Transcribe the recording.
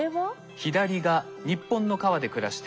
左が日本の川で暮らしているウナギ。